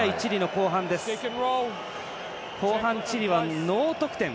後半、チリはノー得点。